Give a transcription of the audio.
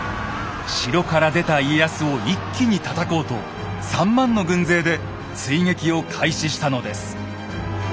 城から出た家康を一気にたたこうと３０，０００の軍勢で追撃を開始したのです。